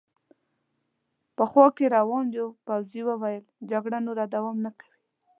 په خوا کې روان یوه پوځي وویل: جګړه نور دوام نه کوي.